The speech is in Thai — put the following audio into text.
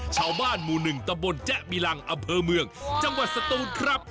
ชาวบ้านหมู่หนึ่งตะบลแจ๊บิรังอเภอเมืองจังหวัดสตรูนครับ